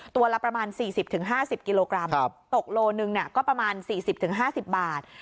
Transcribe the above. ตัวละประมาณ๔๐๕๐กิโลกรัมตกโลหนึ่งก็ประมาณ๔๐๕๐บาท